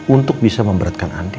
untuk bisa memberatkan andi